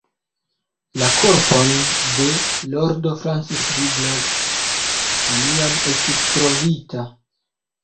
La korpon de Lordo Francis Douglas neniam estis trovita.